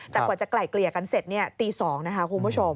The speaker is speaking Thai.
แต่กว่าจะไกล่เกลี่ยกันเสร็จตี๒นะคะคุณผู้ชม